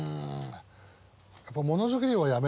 やっぱ。